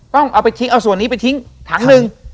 ต้องเอาไปทิ้งเอาส่วนนี้ไปทิ้งถังหนึ่ง